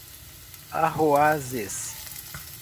Aroazes